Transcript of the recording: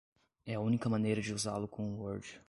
É a única maneira de usá-lo com o Word.